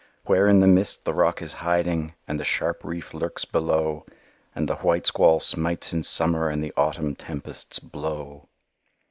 Where in the mist the rock is hiding, and the sharp reef lurks below; And the white squall smites in summer, and the autumn tempests blow."